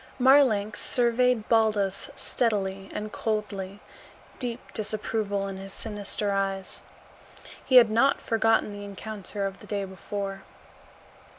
Marlanx surveyed Baldos steadily and coldly, deep disapproval in his sinister eyes. He had not forgotten the encounter of the day before.